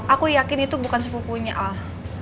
aku yakin itu bukan sepupunya al